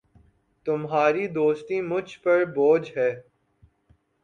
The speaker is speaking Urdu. تمہاری دوستی مجھ پر بوجھ ہے